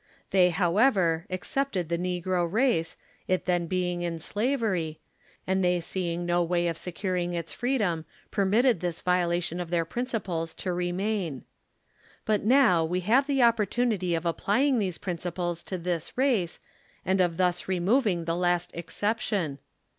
They, however, excepted the negro race, it being then in slavery, and they seeing no way of securing its freedom, permitted this violation of their principles to remain. But now we have the oppor tunity of applying these principles to this rnce and of thus removing the last exception.